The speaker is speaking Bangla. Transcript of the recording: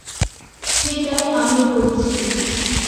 সেটাই আমি বলছি।